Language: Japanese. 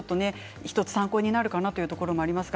参考になるかなというところもあります。